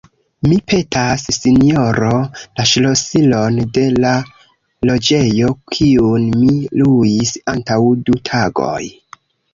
Mi petas, sinjoro, la ŝlosilon de la loĝejo, kiun mi luis antaŭ du tagoj.